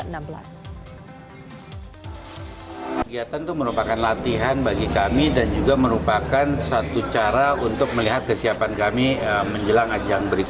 kegiatan itu merupakan latihan bagi kami dan juga merupakan satu cara untuk melihat kesiapan kami menjelang ajang berikutnya